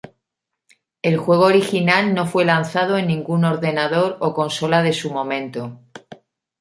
El juego original no fue lanzado en ningún ordenador o consola de su momento.